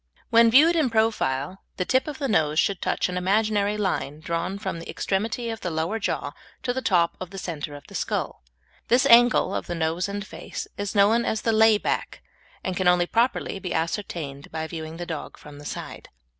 When viewed in profile the tip of the nose should touch an imaginary line drawn from the extremity of the lower jaw to the top of the centre of the skull. This angle of the nose and face is known as the lay back, and can only properly be ascertained by viewing the dog from the side.